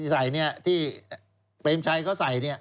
ใส่เนี่ยที่เปรมชัยเขาใส่เนี่ย